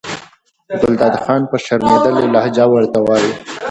ګلداد خان په شرمېدلې لهجه ورته وایي.